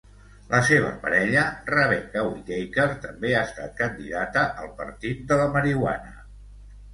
La seva parella, Rebecca Whittaker, també ha estat candidata al Partit de la marihuana.